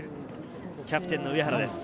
キャプテン・上原です。